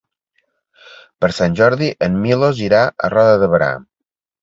Per Sant Jordi en Milos irà a Roda de Berà.